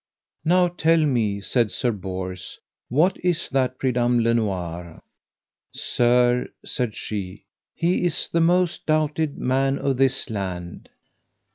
Now tell me, said Sir Bors, what is that Pridam le Noire? Sir, said she, he is the most doubted man of this land.